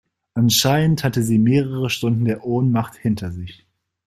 Anscheinend hatte sie mehrere Stunden der Ohnmacht hinter sich.